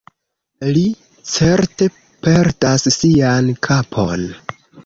Li certe perdas sian kapon.